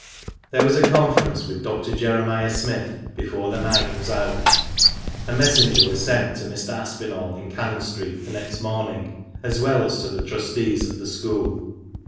There was a conference with Dr. Jeremiah Smith before the night was out. A messenger was sent to Mr. Aspinall in Cannon Street the next morning, as well as to the trustees of the school.